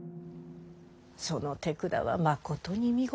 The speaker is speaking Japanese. その手管はまことに見事。